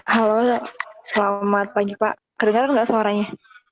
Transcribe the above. halo selamat pagi pak kedenger gak suaranya